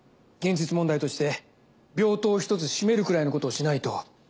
現実問題として病棟を１つ閉めるくらいのことをしないと。